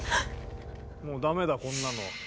もう駄目だこんなの。